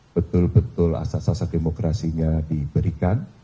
betul betul asas asas demokrasinya diberikan